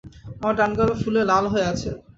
আমার ডান গালে ফুলে লাল হয়ে আছে।